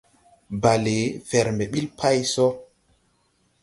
Bale fɛr mbɛ ɓil pay so.